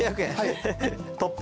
トップ。